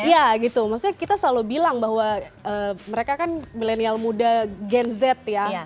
iya gitu maksudnya kita selalu bilang bahwa mereka kan milenial muda gen z ya